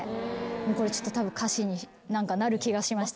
これちょっとたぶん歌詞になる気がしました。